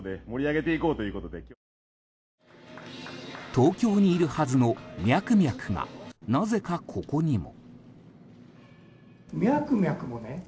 東京にいるはずのミャクミャクがなぜかここにも。